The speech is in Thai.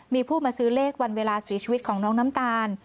มีผู้มาซื้อเลขวันเวลาเสียชีวิตของน้องน้ำตาล